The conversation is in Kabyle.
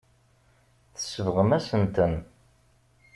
Tsebɣem-asen-ten.